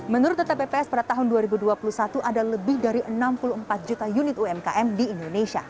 menurut data pps pada tahun dua ribu dua puluh satu ada lebih dari enam puluh empat juta unit umkm di indonesia